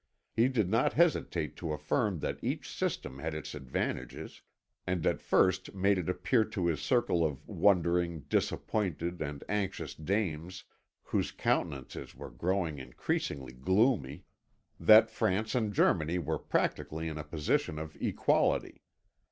He did not hesitate to affirm that each system had its advantages, and at first made it appear to his circle of wondering, disappointed, and anxious dames, whose countenances were growing increasingly gloomy, that France and Germany were practically in a position of equality.